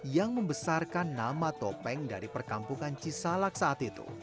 yang membesarkan nama topeng dari perkampungan cisalak saat itu